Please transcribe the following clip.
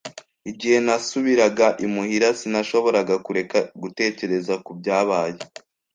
Igihe nasubiraga imuhira, sinashoboraga kureka gutekereza ku byabaye.